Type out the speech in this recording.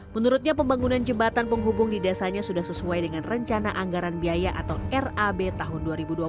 menurutnya pembangunan jembatan penghubung di desanya sudah sesuai dengan rencana anggaran biaya atau rab tahun dua ribu dua puluh